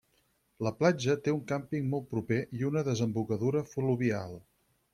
La platja té un càmping molt proper i una desembocadura fluvial.